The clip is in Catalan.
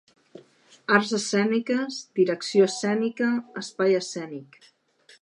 Arts escèniques, direcció escènica, espai escènic.